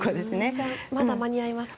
じゃあまだ間に合いますか？